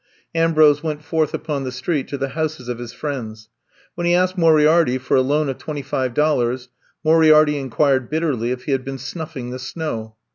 '' Ambrose went forth upon the street to the houses of his friends. When he asked Moriarity for a loan of twenty five dollars, Moriarity inquired bitterly if he had been snuflSng the snow.